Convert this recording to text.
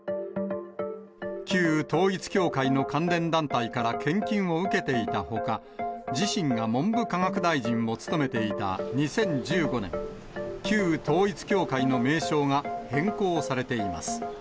旧統一教会の関連団体から献金を受けていたほか、自身が文部科学大臣を務めていた２０１５年、旧統一教会の名称が変更されています。